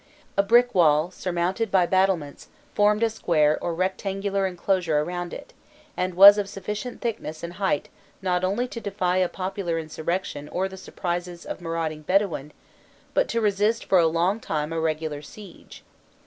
A brick wall, surmounted by battlements, formed a square or rectangular enclosure around it, and was of sufficient thickness and height not only to defy a popular insurrection or the surprises of marauding Bedouin, but to resist for a long time a regular siege.